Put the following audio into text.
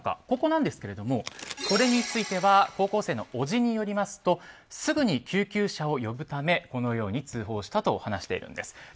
ここなんですけれどもこれについては高校生のおじによりますとすぐに救急車を呼ぶためこのように通報したと話しているんです。